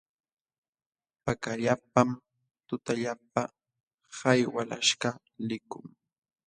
Pakallapam tutallapa hay walaśhkaq likun.